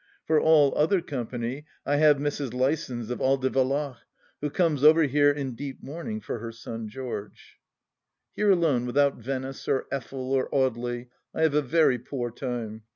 For all other company I have Mrs. Lysons of Aldivalloch, who comes over here in deep mourning for her son George, ... Here alone without Venice, or Eftel, or Audely, I have a very poor time.